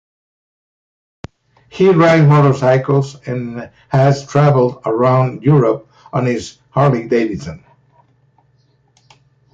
He rides motorcycles, and has traveled around Europe on his Harley-Davidson.